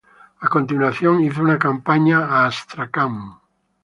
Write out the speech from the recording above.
A continuación hizo una campaña a Astracán.